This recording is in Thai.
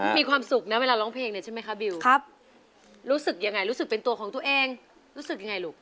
คิดถึงพี่บ้างรึเปล่าเธอ